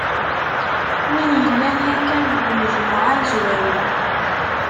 Wid yellan yakkan deg unejmuɛ amezwaru.